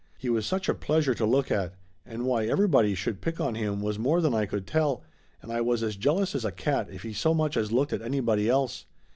He was such a pleasure to look at, and why everybody should pick on him was more than I could tell, and I was as jealous as a cat if he so much as looked at anybody else.